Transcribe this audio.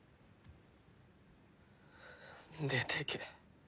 出て行け。